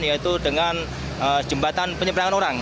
yaitu dengan jembatan penyeberangan orang